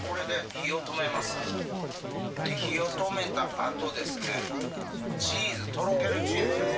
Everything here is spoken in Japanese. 火を止めたあとですねチーズとろけるチーズですね。